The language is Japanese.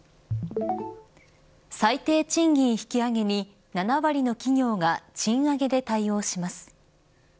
最低賃金引き上げに７割の企業が賃上げで対応します。